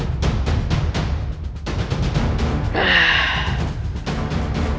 udah manter selfing harvey